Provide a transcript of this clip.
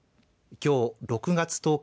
きょう、６月１０日